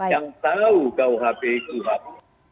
yang tahu kuhp kuhp